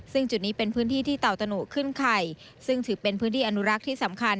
ซึ่งจุดนี้เป็นพื้นที่ที่เต่าตะหนุขึ้นไข่ซึ่งถือเป็นพื้นที่อนุรักษ์ที่สำคัญ